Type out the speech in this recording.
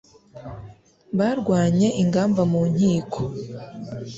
Barwanye ingamba mu nkiko